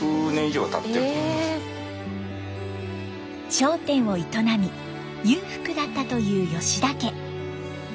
商店を営み裕福だったという田家。